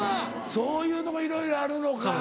そういうのもいろいろあるのか。